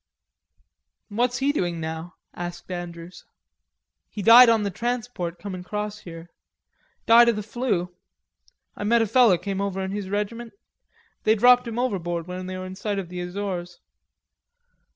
"What's he doing now?" asked Andrews. "He died on the transport coming 'cross here. Died of the flu.... I met a feller came over in his regiment. They dropped him overboard when they were in sight of the Azores....